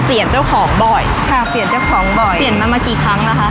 เปลี่ยนเจ้าของบ่อยค่ะเปลี่ยนเจ้าของบ่อยเปลี่ยนมามากี่ครั้งนะคะ